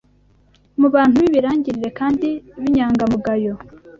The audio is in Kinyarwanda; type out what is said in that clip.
mu bantu b’ibirangirire kandi b’inyangamugayo